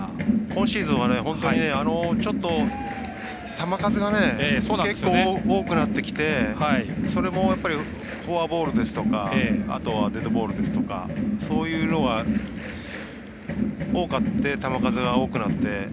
今シーズンは本当に球数が結構、多くなってきてそれも、フォアボールですとかあとはデッドボールですとかそういうのが多くて球数が多くなって。